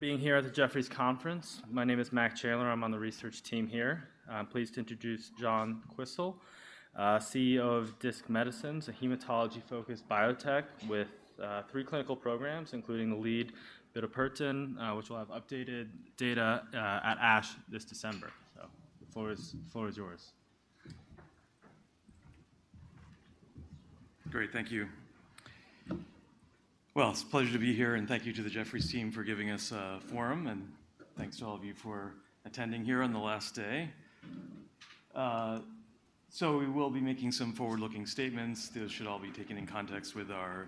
being here at the Jefferies conference. My name is Matt Taylor. I'm on the research team here. I'm pleased to introduce John Quisel, CEO of Disc Medicine, a hematology-focused biotech with three clinical programs, including the lead bitopertin, which will have updated data at ASH this December. So the floor is yours. Great, thank you. Well, it's a pleasure to be here, and thank you to the Jefferies team for giving us a forum, and thanks to all of you for attending here on the last day. So we will be making some forward-looking statements. Those should all be taken in context with our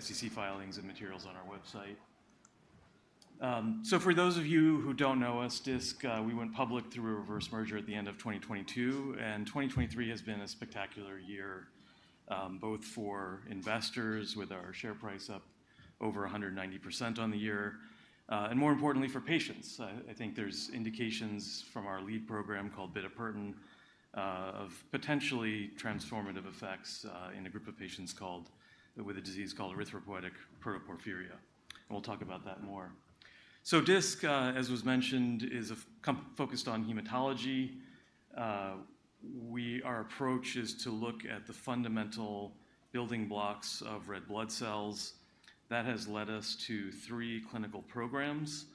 SEC filings and materials on our website. So for those of you who don't know us, Disc, we went public through a reverse merger at the end of 2022, and 2023 has been a spectacular year, both for investors, with our share price up over 190% on the year, and more importantly, for patients. I, I think there's indications from our lead program, called bitopertin, of potentially transformative effects, in a group of patients called with a disease called erythropoietic protoporphyria. And we'll talk about that more. So Disc, as was mentioned, is a company focused on hematology. Our approach is to look at the fundamental building blocks of red blood cells. That has led us to three clinical programs,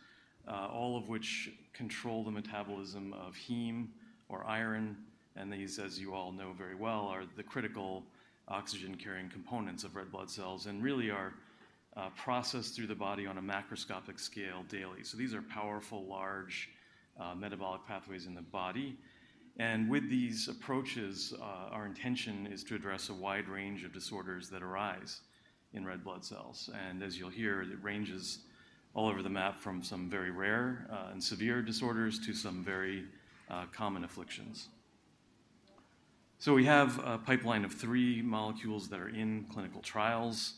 all of which control the metabolism of heme or iron, and these, as you all know very well, are the critical oxygen-carrying components of red blood cells and really are processed through the body on a macroscopic scale daily. So these are powerful, large metabolic pathways in the body. And with these approaches, our intention is to address a wide range of disorders that arise in red blood cells. And as you'll hear, it ranges all over the map from some very rare and severe disorders to some very common afflictions. So we have a pipeline of three molecules that are in clinical trials,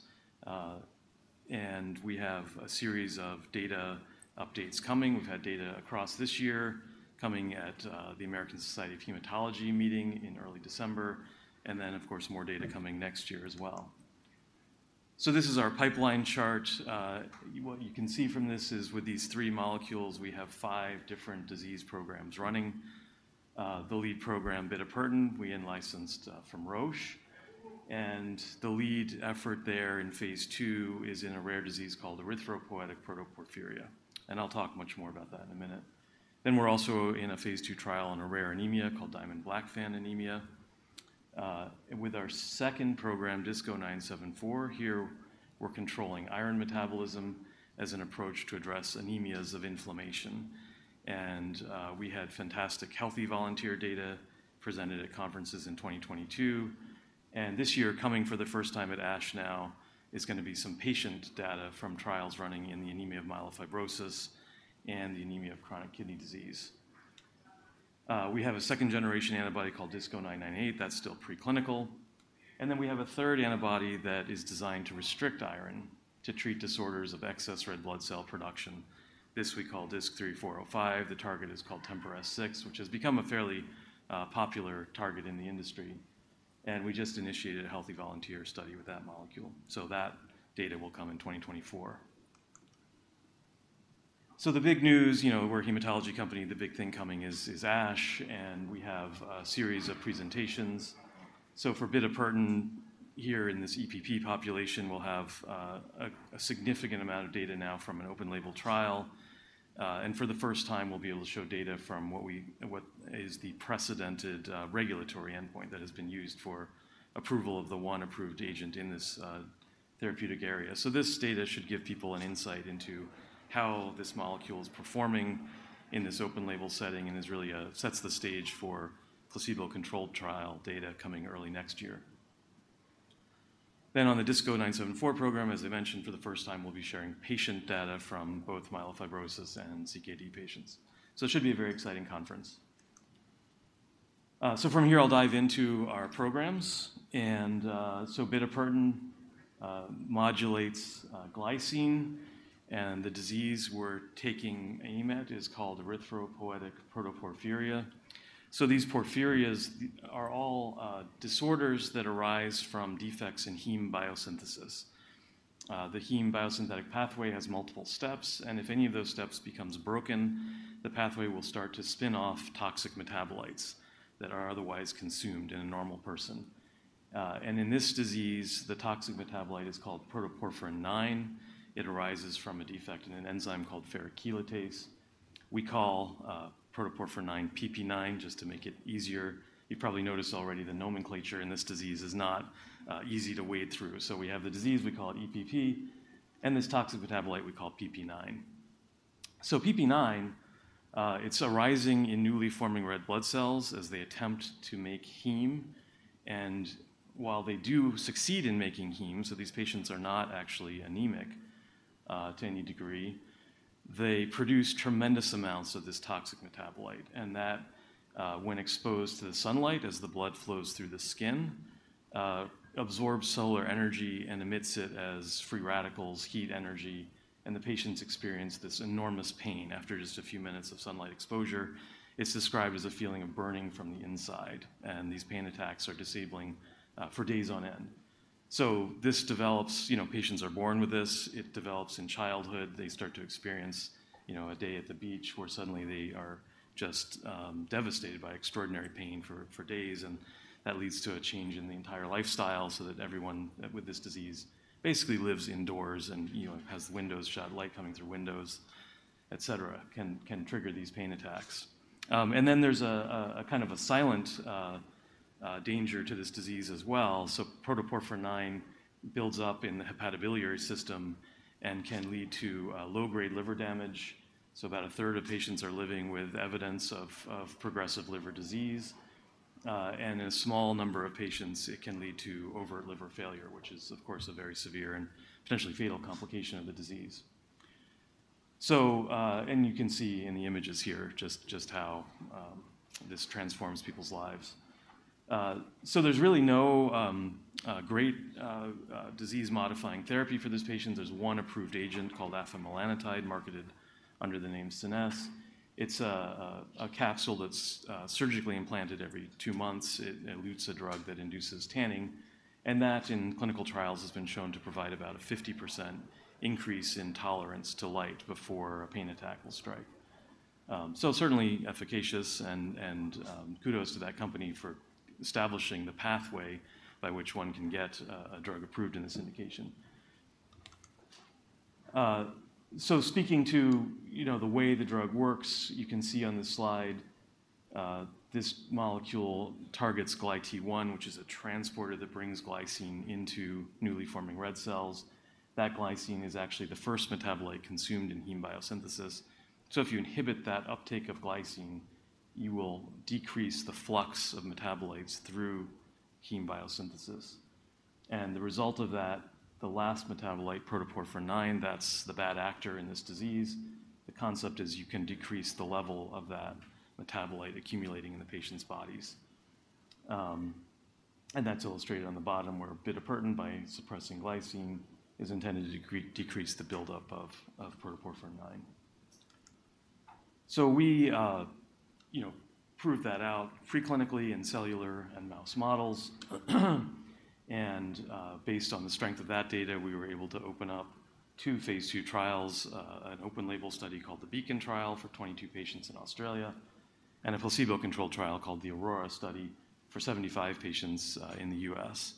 and we have a series of data updates coming. We've had data across this year coming at the American Society of Hematology meeting in early December, and then, of course, more data coming next year as well. So this is our pipeline chart. What you can see from this is, with these 3 molecules, we have 5 different disease programs running. The lead program, bitopertin, we in-licensed from Roche, and the lead effort there in phase 2 is in a rare disease called erythropoietic protoporphyria, and I'll talk much more about that in a minute. Then we're also in a phase 2 trial on a rare anemia called Diamond-Blackfan anemia. With our second program, DISC-0974, here we're controlling iron metabolism as an approach to address anemias of inflammation, and we had fantastic healthy volunteer data presented at conferences in 2022. This year, coming for the first time at ASH now, is gonna be some patient data from trials running in the anemia of myelofibrosis and the anemia of chronic kidney disease. We have a second-generation antibody called DISC-0998. That's still preclinical. And then we have a third antibody that is designed to restrict iron to treat disorders of excess red blood cell production. This we call DISC-3405. The target is called TMPRSS6, which has become a fairly popular target in the industry, and we just initiated a healthy volunteer study with that molecule, so that data will come in 2024. So the big news, you know, we're a hematology company, the big thing coming is ASH, and we have a series of presentations. So for bitopertin, here in this EPP population, we'll have a significant amount of data now from an open-label trial, and for the first time, we'll be able to show data from what is the precedented regulatory endpoint that has been used for approval of the one approved agent in this therapeutic area. So this data should give people an insight into how this molecule is performing in this open-label setting and really sets the stage for placebo-controlled trial data coming early next year. Then on the DISC-0974 program, as I mentioned, for the first time, we'll be sharing patient data from both myelofibrosis and CKD patients, so it should be a very exciting conference. So from here, I'll dive into our programs, and so bitopertin modulates glycine, and the disease we're taking aim at is called erythropoietic protoporphyria. So these porphyrias are all disorders that arise from defects in heme biosynthesis. The heme biosynthetic pathway has multiple steps, and if any of those steps becomes broken, the pathway will start to spin off toxic metabolites that are otherwise consumed in a normal person. And in this disease, the toxic metabolite is protoporphyrin IX. it arises from a defect in an enzyme called ferrochelatase. We protoporphyrin IX, PPIX, just to make it easier. You've probably noticed already the nomenclature in this disease is not easy to wade through. So we have the disease, we call it EPP, and this toxic metabolite we call PPIX. So PPIX, it's arising in newly forming red blood cells as they attempt to make heme, and while they do succeed in making heme, so these patients are not actually anemic to any degree. They produce tremendous amounts of this toxic metabolite, and that, when exposed to the sunlight as the blood flows through the skin, absorbs solar energy and emits it as free radicals, heat energy, and the patients experience this enormous pain after just a few minutes of sunlight exposure. It's described as a feeling of burning from the inside, and these pain attacks are disabling for days on end. So this develops, you know. Patients are born with this. It develops in childhood. They start to experience, you know, a day at the beach, where suddenly they are just devastated by extraordinary pain for days, and that leads to a change in the entire lifestyle so that everyone with this disease basically lives indoors and, you know, has the windows shut, light coming through windows, et cetera, can trigger these pain attacks. And then there's a kind of a silent danger to this disease as well. So protoporphyrin builds up in the hepatobiliary system and can lead to low-grade liver damage. So about a third of patients are living with evidence of progressive liver disease, and a small number of patients, it can lead to overt liver failure, which is, of course, a very severe and potentially fatal complication of the disease. You can see in the images here, just how this transforms people's lives. There's really no great disease-modifying therapy for these patients. There's one approved agent called afamelanotide, marketed under the name Scenesse. It's a capsule that's surgically implanted every two months. It elutes a drug that induces tanning, and that in clinical trials has been shown to provide about a 50% increase in tolerance to light before a pain attack will strike. Certainly efficacious and kudos to that company for establishing the pathway by which one can get a drug approved in this indication. Speaking to, you know, the way the drug works, you can see on the slide, this molecule targets GlyT1, which is a transporter that brings glycine into newly forming red cells. That glycine is actually the first metabolite consumed in heme biosynthesis. So if you inhibit that uptake of glycine, you will decrease the flux of metabolites through heme biosynthesis. The result of that, the last metabolite, protoporphyrin IX, that's the bad actor in this disease. The concept is you can decrease the level of that metabolite accumulating in the patients' bodies. And that's illustrated on the bottom, where bitopertin by suppressing glycine, is intended to decrease the buildup of, of protoporphyrin IX. So we, you know, proved that out preclinically in cellular and mouse models, and, based on the strength of that data, we were able to open up two phase II trials, an open-label study called the BEACON Trial for 22 patients in Australia, and a placebo-controlled trial called the AURORA Study for 75 patients, in the U.S.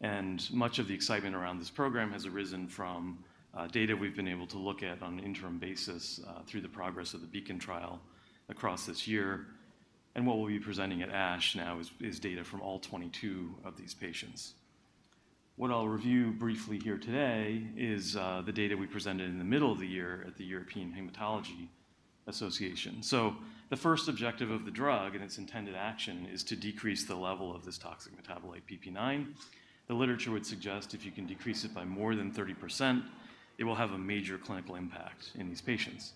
And much of the excitement around this program has arisen from data we've been able to look at on an interim basis through the progress of the BEACON Trial across this year, and what we'll be presenting at ASH now is data from all 22 of these patients. What I'll review briefly here today is the data we presented in the middle of the year at the European Hematology Association. So the first objective of the drug and its intended action is to decrease the level of this toxic metabolite, PPIX. The literature would suggest if you can decrease it by more than 30%, it will have a major clinical impact in these patients.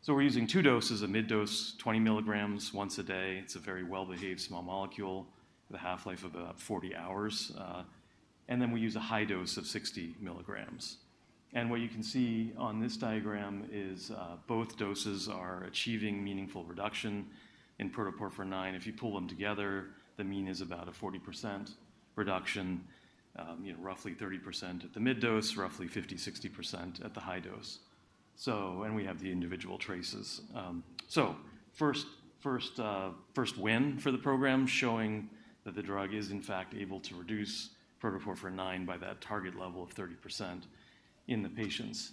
So we're using two doses, a mid-dose, 20 milligrams once a day. It's a very well-behaved small molecule with a half-life of about 40 hours, and then we use a high dose of 60 milligrams. What you can see on this diagram is both doses are achieving meaningful reduction in protoporphyrin IX. If you pull them together, the mean is about a 40% reduction, you know, roughly 30% at the mid-dose, roughly 50-60% at the high dose. So we have the individual traces. First win for the program, showing that the drug is, in fact, able to reduce protoporphyrin IX by that target level of 30% in the patients.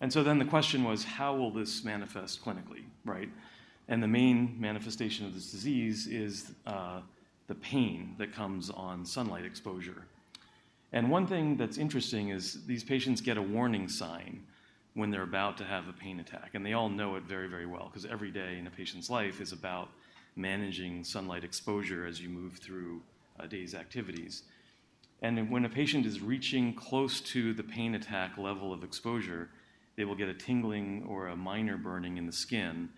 And so then the question was: How will this manifest clinically, right? The main manifestation of this disease is the pain that comes on sunlight exposure. One thing that's interesting is these patients get a warning sign when they're about to have a pain attack, and they all know it very, very well because every day in a patient's life is about managing sunlight exposure as you move through a day's activities. Then when a patient is reaching close to the pain attack level of exposure, they will get a tingling or a minor burning in the skin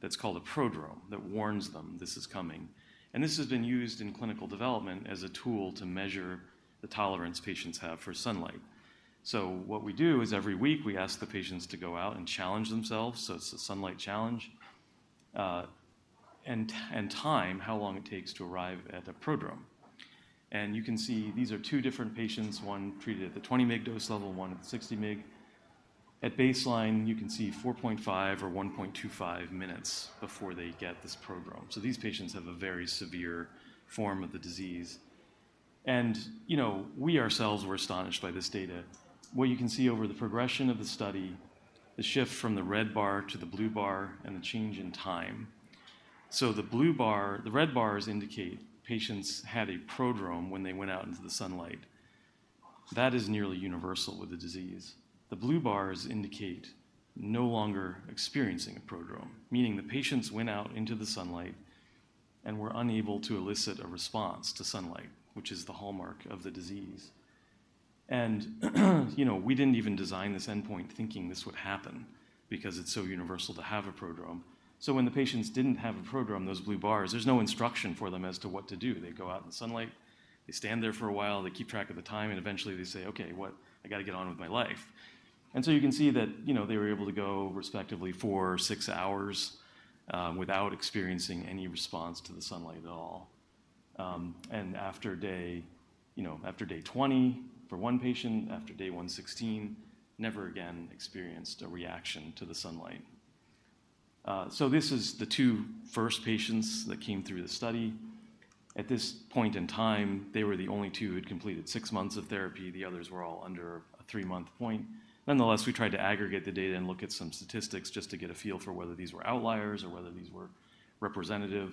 that's called a prodrome that warns them this is coming. This has been used in clinical development as a tool to measure the tolerance patients have for sunlight. So what we do is every week, we ask the patients to go out and challenge themselves, so it's a sunlight challenge, and time how long it takes to arrive at the prodrome. You can see these are two different patients, one treated at the 20 mg dose level, one at the 60 mg. At baseline, you can see 4.5 or 1.25 minutes before they get this prodrome. These patients have a very severe form of the disease, and, you know, we ourselves were astonished by this data. What you can see over the progression of the study, the shift from the red bar to the blue bar and the change in time. The blue bar. The red bars indicate patients had a prodrome when they went out into the sunlight. That is nearly universal with the disease. The blue bars indicate no longer experiencing a prodrome, meaning the patients went out into the sunlight and were unable to elicit a response to sunlight, which is the hallmark of the disease. You know, we didn't even design this endpoint thinking this would happen because it's so universal to have a prodrome. When the patients didn't have a prodrome, those blue bars, there's no instruction for them as to what to do. They go out in the sunlight, they stand there for a while, they keep track of the time, and eventually they say, "Okay, what-- I got to get on with my life."... So you can see that, you know, they were able to go respectively four or six hours without experiencing any response to the sunlight at all. And after day, you know, after day 20 for one patient, after day 116, never again experienced a reaction to the sunlight. So this is the two first patients that came through the study. At this point in time, they were the only two who had completed 6 months of therapy. The others were all under a 3-month point. Nonetheless, we tried to aggregate the data and look at some statistics, just to get a feel for whether these were outliers or whether these were representative.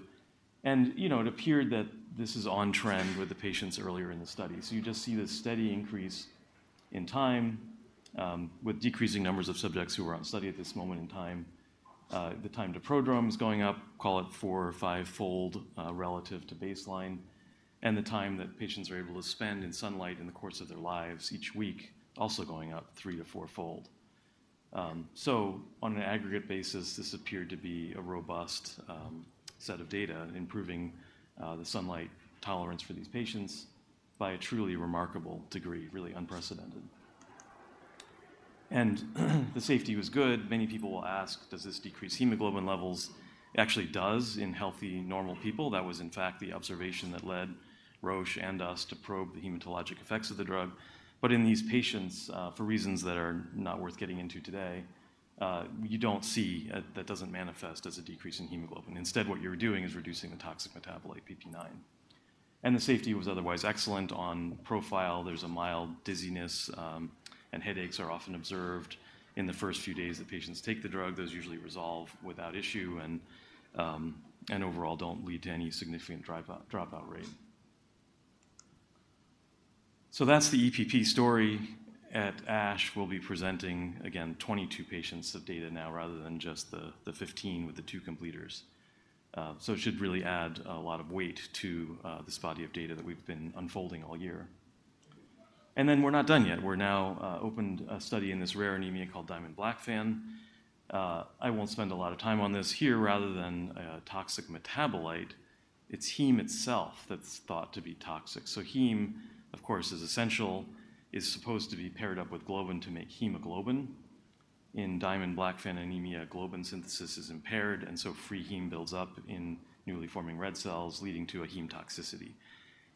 And, you know, it appeared that this is on trend with the patients earlier in the study. So you just see this steady increase in time, with decreasing numbers of subjects who were on study at this moment in time. The time to prodrome is going up, call it 4- or 5-fold, relative to baseline, and the time that patients are able to spend in sunlight in the course of their lives each week, also going up 3- to 4-fold. On an aggregate basis, this appeared to be a robust set of data, improving the sunlight tolerance for these patients by a truly remarkable degree, really unprecedented. The safety was good. Many people will ask: Does this decrease hemoglobin levels? It actually does in healthy, normal people. That was, in fact, the observation that led Roche and us to probe the hematologic effects of the drug. In these patients, for reasons that are not worth getting into today, you don't see, that doesn't manifest as a decrease in hemoglobin. Instead, what you're doing is reducing the toxic metabolite, PPIX, and the safety was otherwise excellent. On profile, there's a mild dizziness, and headaches are often observed in the first few days that patients take the drug. Those usually resolve without issue, and overall don't lead to any significant dropout rate. So that's the EPP story. At ASH, we'll be presenting, again, 22 patients of data now, rather than just the 15 with the two completers. So it should really add a lot of weight to this body of data that we've been unfolding all year. And then we're not done yet. We're now opened a study in this rare anemia called Diamond-Blackfan. I won't spend a lot of time on this here. Rather than a toxic metabolite, it's heme itself that's thought to be toxic. So heme, of course, is essential, is supposed to be paired up with globin to make hemoglobin. In Diamond-Blackfan anemia, globin synthesis is impaired, and so free heme builds up in newly forming red cells, leading to a heme toxicity.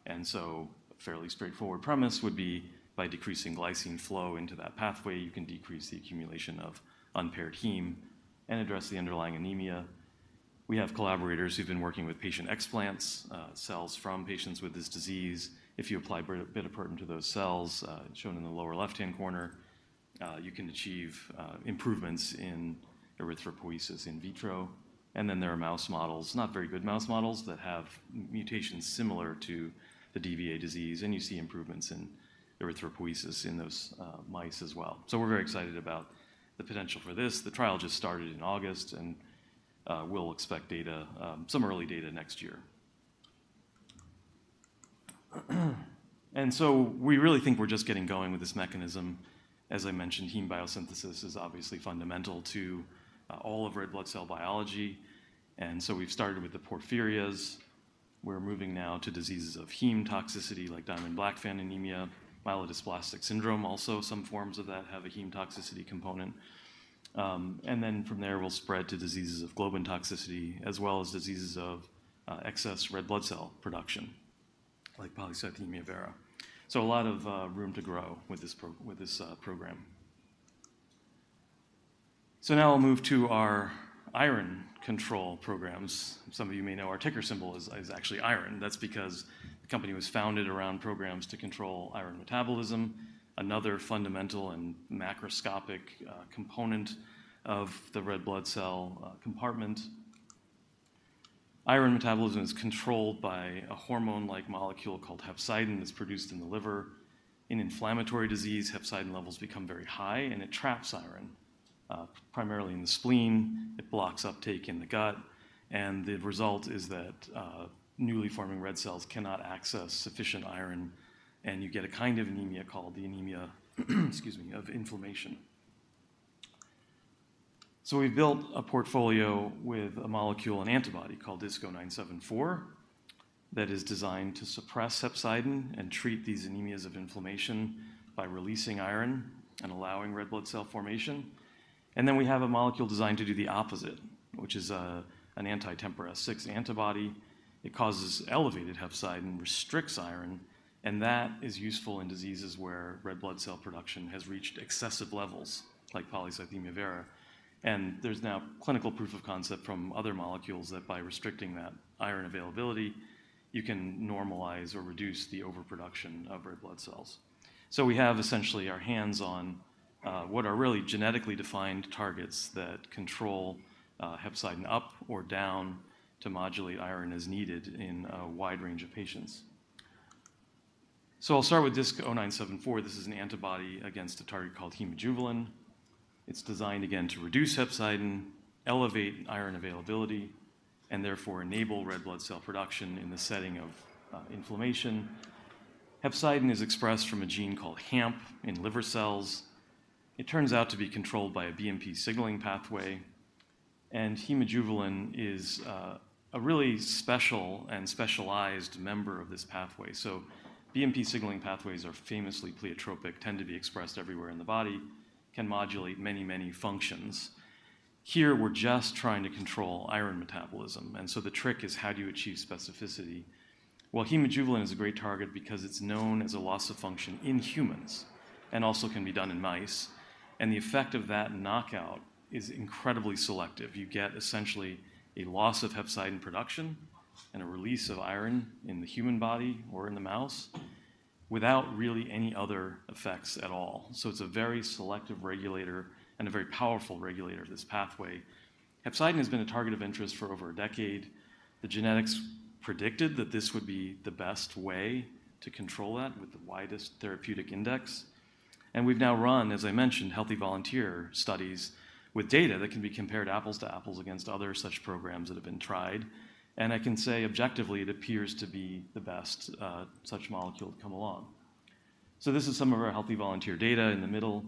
A fairly straightforward premise would be by decreasing glycine flow into that pathway, you can decrease the accumulation of unpaired heme and address the underlying anemia. We have collaborators who've been working with patient explants, cells from patients with this disease. If you apply bitopertin to those cells, shown in the lower left-hand corner, you can achieve, improvements in erythropoiesis in vitro. And then there are mouse models, not very good mouse models, that have mutations similar to the DBA disease, and you see improvements in erythropoiesis in those, mice as well. So we're very excited about the potential for this. The trial just started in August, and, we'll expect data, some early data next year. We really think we're just getting going with this mechanism. As I mentioned, heme biosynthesis is obviously fundamental to all of red blood cell biology, and so we've started with the porphyrias. We're moving now to diseases of heme toxicity, like Diamond-Blackfan anemia, myelodysplastic syndrome. Also, some forms of that have a heme toxicity component. And then from there, we'll spread to diseases of globin toxicity, as well as diseases of excess red blood cell production, like polycythemia vera. So a lot of room to grow with this program. So now I'll move to our iron control programs. Some of you may know our ticker symbol is actually IRON. That's because the company was founded around programs to control iron metabolism, another fundamental and macroscopic component of the red blood cell compartment. Iron metabolism is controlled by a hormone-like molecule called hepcidin that's produced in the liver. In inflammatory disease, hepcidin levels become very high, and it traps iron, primarily in the spleen. It blocks uptake in the gut, and the result is that newly forming red cells cannot access sufficient iron, and you get a kind of anemia called the anemia, excuse me, of inflammation. So we built a portfolio with a molecule and antibody called DISC-0974, that is designed to suppress hepcidin and treat these anemias of inflammation by releasing iron and allowing red blood cell formation. And then we have a molecule designed to do the opposite, which is an anti-TMPRSS6 antibody. It causes elevated hepcidin, restricts iron, and that is useful in diseases where red blood cell production has reached excessive levels, like polycythemia vera. There's now clinical proof of concept from other molecules that by restricting that iron availability, you can normalize or reduce the overproduction of red blood cells. So we have essentially our hands on what are really genetically defined targets that control hepcidin up or down to modulate iron as needed in a wide range of patients. So I'll start with DISC-0974. This is an antibody against a target called hemojuvelin. It's designed, again, to reduce hepcidin, elevate iron availability, and therefore enable red blood cell production in the setting of inflammation. Hepcidin is expressed from a gene called HAMP in liver cells. It turns out to be controlled by a BMP signaling pathway... and hemojuvelin is a really special and specialized member of this pathway. So BMP signaling pathways are famously pleiotropic, tend to be expressed everywhere in the body, can modulate many, many functions. Here, we're just trying to control iron metabolism, and so the trick is: how do you achieve specificity? Well, hemojuvelin is a great target because it's known as a loss of function in humans, and also can be done in mice, and the effect of that knockout is incredibly selective. You get essentially a loss of hepcidin production and a release of iron in the human body or in the mouse, without really any other effects at all. So it's a very selective regulator and a very powerful regulator of this pathway. Hepcidin has been a target of interest for over a decade. The genetics predicted that this would be the best way to control that, with the widest therapeutic index, and we've now run, as I mentioned, healthy volunteer studies with data that can be compared apples to apples against other such programs that have been tried. I can say objectively, it appears to be the best such molecule to come along. This is some of our healthy volunteer data in the middle.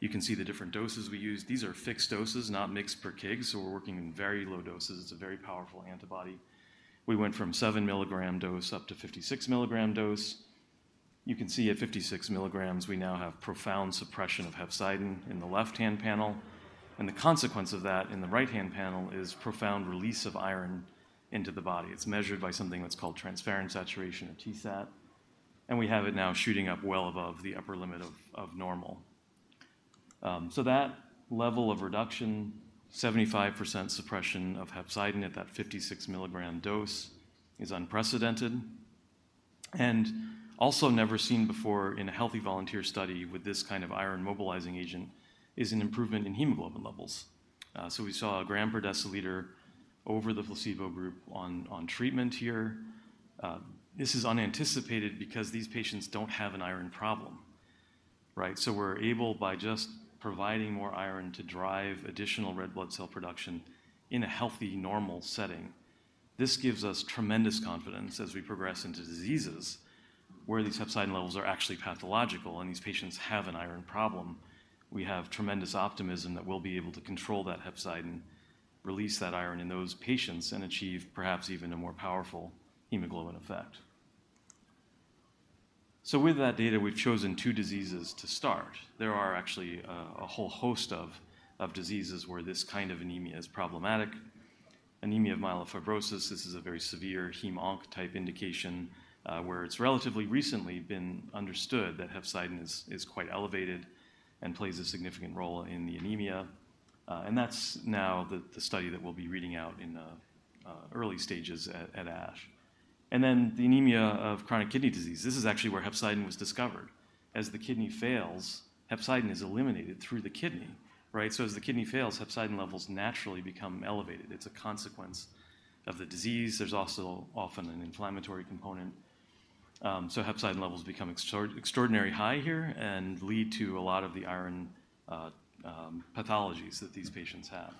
You can see the different doses we use. These are fixed doses, not mg per kg, so we're working in very low doses. It's a very powerful antibody. We went from 7-milligram dose up to 56-milligram dose. You can see at 56 milligrams, we now have profound suppression of hepcidin in the left-hand panel, and the consequence of that in the right-hand panel is profound release of iron into the body. It's measured by something that's called transferrin saturation, or TSAT, and we have it now shooting up well above the upper limit of normal. So that level of reduction, 75% suppression of hepcidin at that 56-milligram dose, is unprecedented. And also never seen before in a healthy volunteer study with this kind of iron-mobilizing agent, is an improvement in hemoglobin levels. So we saw a gram per deciliter over the placebo group on treatment here. This is unanticipated because these patients don't have an iron problem, right? So we're able, by just providing more iron, to drive additional red blood cell production in a healthy, normal setting. This gives us tremendous confidence as we progress into diseases where these hepcidin levels are actually pathological and these patients have an iron problem. We have tremendous optimism that we'll be able to control that hepcidin, release that iron in those patients, and achieve perhaps even a more powerful hemoglobin effect. So with that data, we've chosen two diseases to start. There are actually a whole host of diseases where this kind of anemia is problematic. Anemia of myelofibrosis, this is a very severe heme onc type indication, where it's relatively recently been understood that hepcidin is quite elevated and plays a significant role in the anemia. And that's now the study that we'll be reading out in the early stages at ASH. And then the anemia of chronic kidney disease. This is actually where hepcidin was discovered. As the kidney fails, hepcidin is eliminated through the kidney, right? So as the kidney fails, hepcidin levels naturally become elevated. It's a consequence of the disease. There's also often an inflammatory component. So hepcidin levels become extraordinary, extraordinary high here and lead to a lot of the iron pathologies that these patients have.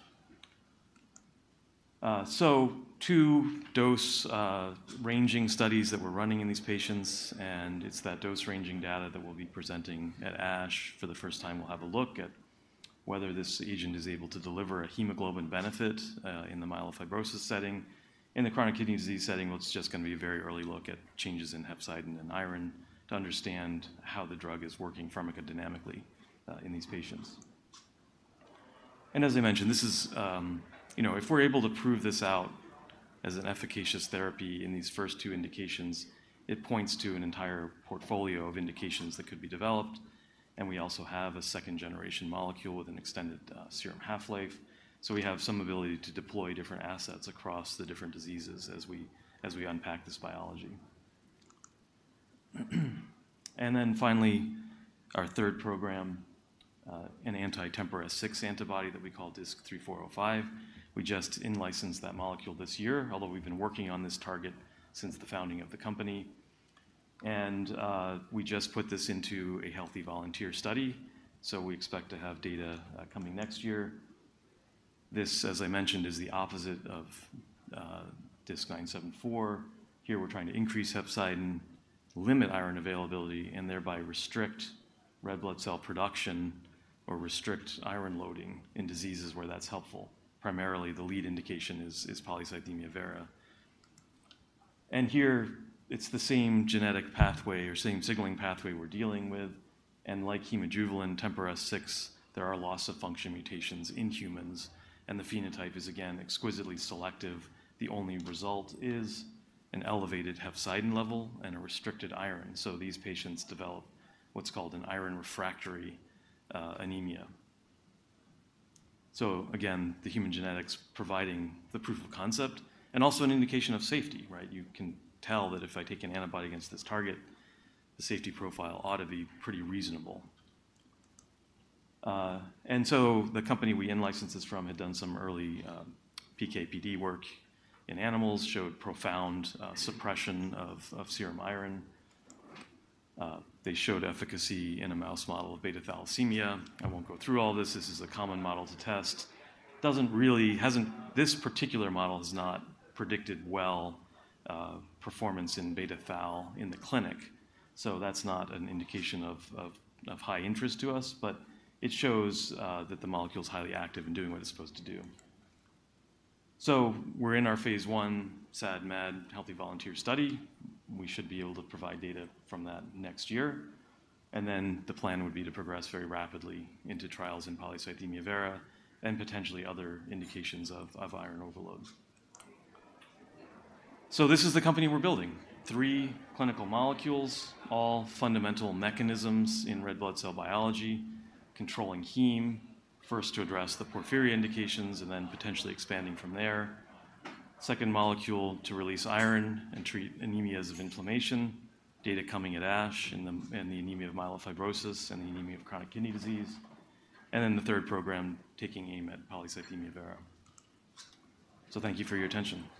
So two dose-ranging studies that we're running in these patients, and it's that dose-ranging data that we'll be presenting at ASH. For the first time, we'll have a look at whether this agent is able to deliver a hemoglobin benefit in the myelofibrosis setting. In the chronic kidney disease setting, well, it's just going to be a very early look at changes in hepcidin and iron to understand how the drug is working pharmacodynamically in these patients. And as I mentioned, this is... You know, if we're able to prove this out as an efficacious therapy in these first two indications, it points to an entire portfolio of indications that could be developed, and we also have a second-generation molecule with an extended serum half-life. So we have some ability to deploy different assets across the different diseases as we unpack this biology. And then finally, our third program, an anti-TMPRSS6 antibody that we call DISC-3405. We just in-licensed that molecule this year, although we've been working on this target since the founding of the company. And we just put this into a healthy volunteer study, so we expect to have data coming next year. This, as I mentioned, is the opposite of DISC-0974. Here, we're trying to increase hepcidin, limit iron availability, and thereby restrict red blood cell production or restrict iron loading in diseases where that's helpful. Primarily, the lead indication is, is polycythemia vera. And here, it's the same genetic pathway or same signaling pathway we're dealing with. And like hemojuvelin, TMPRSS6, there are loss-of-function mutations in humans, and the phenotype is, again, exquisitely selective. The only result is an elevated hepcidin level and a restricted iron. So these patients develop what's called an iron refractory anemia. So again, the human genetics providing the proof of concept and also an indication of safety, right? You can tell that if I take an antibody against this target, the safety profile ought to be pretty reasonable. And so the company we in-licensed this from had done some early PK/PD work in animals, showed profound suppression of serum iron. They showed efficacy in a mouse model of beta thalassemia. I won't go through all this. This is a common model to test. This particular model has not predicted well performance in beta thal in the clinic, so that's not an indication of high interest to us, but it shows that the molecule is highly active in doing what it's supposed to do. So we're in our phase I SAD/MAD healthy volunteer study. We should be able to provide data from that next year, and then the plan would be to progress very rapidly into trials in polycythemia vera and potentially other indications of iron overload. So this is the company we're building. Three clinical molecules, all fundamental mechanisms in red blood cell biology, controlling heme, first to address the porphyria indications and then potentially expanding from there. Second molecule to release iron and treat anemias of inflammation, data coming at ASH in the anemia of myelofibrosis and the anemia of chronic kidney disease. And then the third program, taking aim at polycythemia vera. So thank you for your attention.